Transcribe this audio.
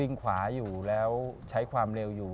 ขวาอยู่แล้วใช้ความเร็วอยู่